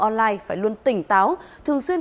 online phải luôn tỉnh táo thường xuyên